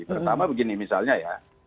pertama begini misalnya ya